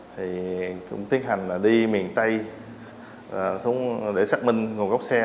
thì cũng tiến hành đi miền tây để xác minh nguồn gốc xe